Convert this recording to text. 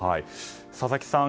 佐々木さん